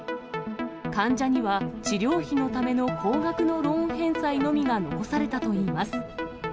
患者には、治療費のための高額のローン返済のみが残されたといいます。